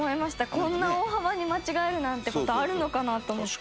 こんな大幅に間違えるなんて事あるのかなと思って。